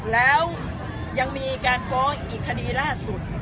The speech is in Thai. แล้วยังมีการฟ้องอีกคดีล่าสุด